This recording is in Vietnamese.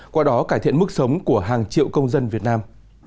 qua đó cải thiện mức sống của hàng triệu công dân việt nam